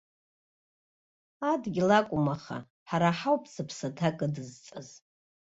Адгьыл акәым аха, ҳара ҳауп зыԥсаҭа кыдызҵаз!